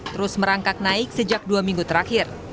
terus merangkak naik sejak dua minggu terakhir